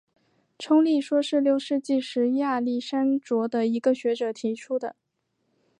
冲力说是六世纪时亚历山卓的一个学者提出的。